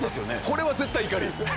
これは絶対怒り。